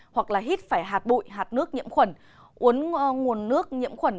hoặc là hít phải hạt bụi hạt nước nhiễm khuẩn uống nguồn nước nhiễm khuẩn